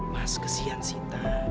mas kesian sita